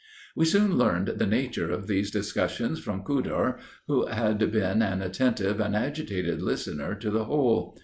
"We soon learned the nature of these discussions from Khudr, who had been an attentive and agitated listener to the whole.